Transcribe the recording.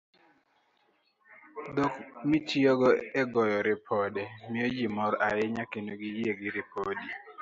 Dhok mitiyogo e goyo ripode, miyo ji mor ahinya kendo giyie gi ripot.